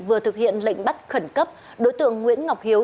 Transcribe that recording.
vừa thực hiện lệnh bắt khẩn cấp đối tượng nguyễn ngọc hiếu